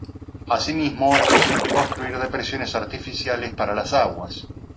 Asimismo, es posible construir depresiones artificiales para las aguas.